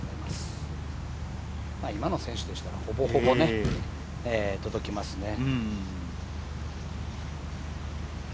今の選手でしたらほぼほぼね、届きますね。